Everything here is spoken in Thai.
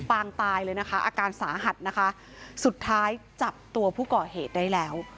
ปางตายเลยนะคะอาการสาหัสนะคะสุดท้ายจับตัวผู้ก่อเหตุได้แล้ว